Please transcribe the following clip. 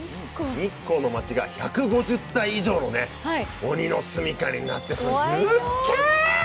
日光の街が１５０体以上の鬼の住みかになっています。